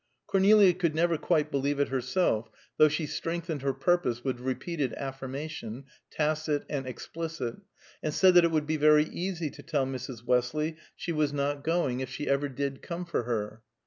Cornelia could never quite believe it herself, though she strengthened her purpose with repeated affirmation, tacit and explicit, and said it would be very easy to tell Mrs. Westley she was not going, if she ever did come for her.